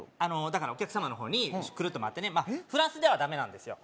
だからお客様の方にクルッと回ってフランスではダメなんですよ